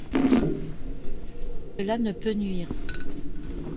Cela ne peut nuire.